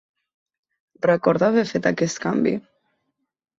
Recorda haver fet aquest canvi?